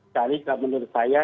tadi menurut saya